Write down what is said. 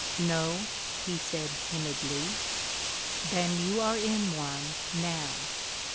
"No," he said, timidly. "Then you are in one now.